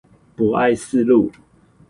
博愛四路